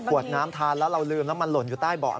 วดน้ำทานแล้วเราลืมแล้วมันหล่นอยู่ใต้เบาะ